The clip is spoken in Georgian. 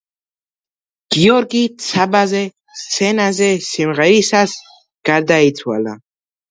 გიორგი ცაბაძე სცენაზე, სიმღერისას გარდაიცვალა.